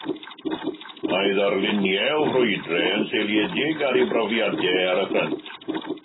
Mae ei ddarluniau o frwydrau yn seiliedig ar ei brofiadau ar y ffrynt.